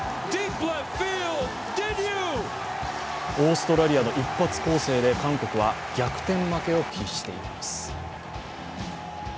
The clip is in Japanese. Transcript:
オーストラリアの一発攻勢で韓国は逆転負けを喫しています。